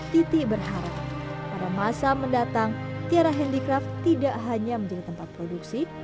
titi berharap pada masa mendatang tiara handicraft tidak hanya menjadi tempat produksi